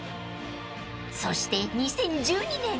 ［そして２０１２年］